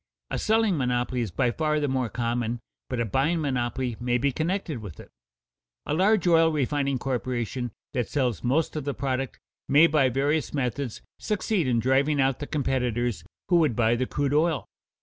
A selling monopoly is by far the more common, but a buying monopoly may be connected with it. A large oil refining corporation that sells most of the product may by various methods succeed in driving out the competitors who would buy the crude oil.